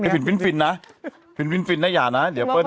ฟินฟินฟินนะฟินฟินนะอย่านะเดี๋ยวเปิ้ลนะ